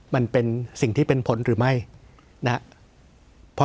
มันเป็นสิ่งที่เป็นผลหรือไม่นะครับ